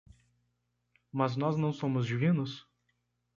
Mas nós não somos divinos?